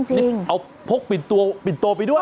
แล้วนี่เอาพกปิ่นโตไปด้วย